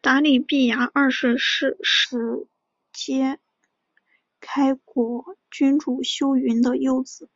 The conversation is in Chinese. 答里必牙二世是是实皆开国君主修云的幼子。